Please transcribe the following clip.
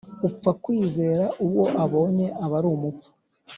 Upfa kwizera uwo abonye aba ari umupfu,